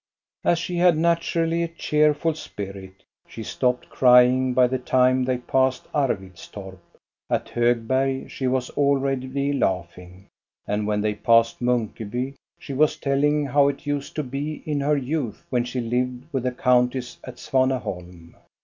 As she had naturally a cheerful spirit, she stopped crying by the time they passed Arvidstorp ; at Hog berg she was already laughing, and when they passed Munkeby she was telling how it used to be in her youth, when she lived with the countess at Svaneholm.